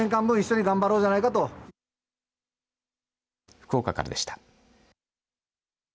福岡からでした。